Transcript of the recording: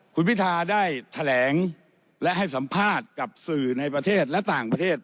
คุณพิทาได้แถลงและให้สัมภาษณ์กับสื่อในประเทศและต่างประเทศ